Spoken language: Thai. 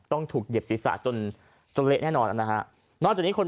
ต้องถูกเหยียบศีรษะจนจนเละแน่นอนนะฮะนอกจากนี้คน